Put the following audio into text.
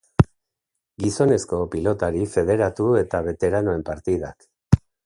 Gizonezko pilotari federatu eta beteranoen partidak.